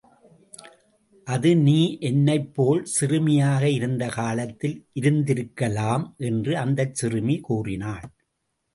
அது நீ என்னைப் போல் சிறுமியாக இருந்த காலத்தில் இருந்திருக்கலாம்! என்று அந்தச் சிறுமி கூறினாள்.